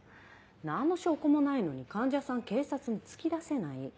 何の証拠もないのに患者さん警察に突き出せない。